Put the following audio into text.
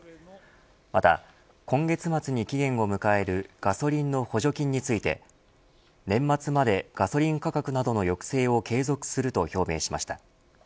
また、今月末に期限を迎えるガソリンの補助金について年末までガソリン価格などの抑制を継続すると表明しました。